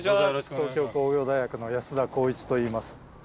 東京工業大学の安田幸一といいます。